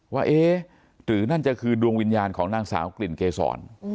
ว่าเอ๊ะหรือนั่นจะคือดวงวิญญาณของนางสาวกลิ่นเกษร